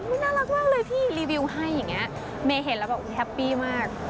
น่ารักมากเลยพี่รีวิวให้อย่างนี้เมย์เห็นแล้วแบบแฮปปี้มาก